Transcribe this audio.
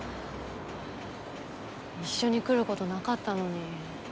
一緒に来る事なかったのに。